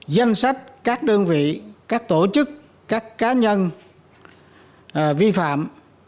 danh sách các đơn vị các tổ chức các cá nhân vi phạm